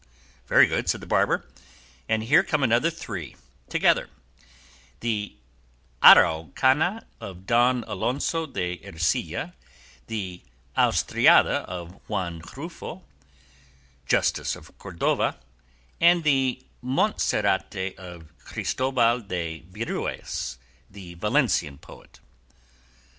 "Very good," said the barber; "and here come three together, the 'Araucana' of Don Alonso de Ercilla, the 'Austriada' of Juan Rufo, Justice of Cordova, and the 'Montserrate' of Christobal de Virues, the Valencian poet."